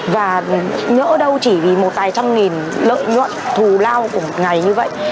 và nhỡ đâu chỉ vì một vài trăm nghìn lợi nhuận thù lao của một ngày như vậy